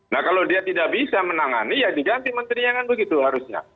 nah kalau dia tidak bisa menangani ya diganti menterinya kan begitu harusnya